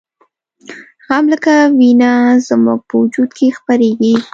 غم لکه وینه زموږ په وجود کې خپریږي